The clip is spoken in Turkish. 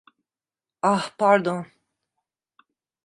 Ah, pardon.